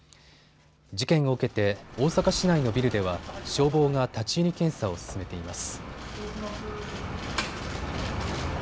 事件を受けて大阪市内のビルでは消防が立ち入り検査を進めています。